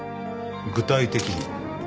具体的には？